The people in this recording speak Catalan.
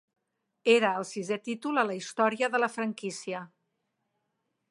Era el sisè títol a la història de la franquícia.